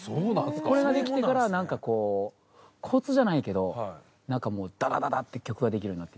これができてからなんかこうコツじゃないけどなんかもうダダダダって曲ができるようになってきて。